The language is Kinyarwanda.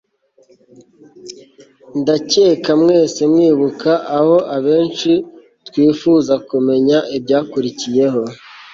Ndakeka mwese mwibuka aho abenshi twufuje kumenya ibyakurikiyeho